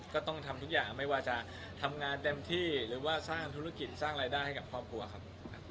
ก็ต้องทำทุกอย่างไม่ว่าจะทำงานเต็มที่หรือว่าสร้างธุรกิจสร้างรายได้ให้กับครอบครัวครับ